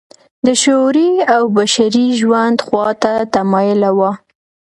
د شعوري او بشري ژوند خوا ته متمایله وه.